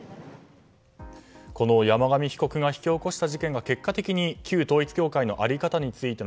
この山上被告が引き起こした事件が結果的に旧統一教会の在り方についての